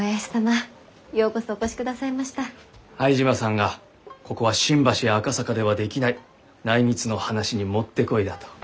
相島さんがここは新橋や赤坂ではできない内密の話に持ってこいだと。